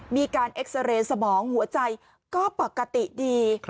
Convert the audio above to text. มีการเอ็กซาเรย์สมองหัวใจก็ปกติดี